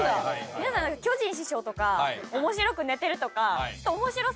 皆さん巨人師匠とか面白く寝てるとか。